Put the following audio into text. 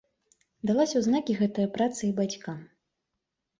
Далася ў знакі гэтая праца і бацькам.